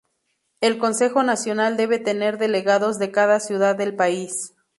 El consejo nacional debe tener delegados de cada ciudad del país.